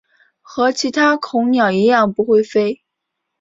和其他恐鸟一样不会飞。